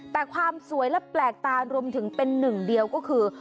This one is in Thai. แต่ความสวยและแปลกตารวมถึงเป็นหนึ่งเดียวก็คือ